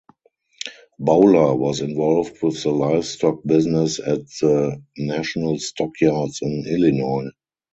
Bowler was involved with the livestock business at the National Stock Yards in Illinois.